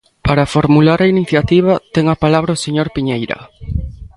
Para formular a iniciativa, ten a palabra o señor Piñeira.